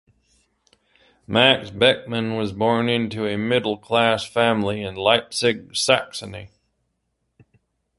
Max Beckmann was born into a middle-class family in Leipzig, Saxony.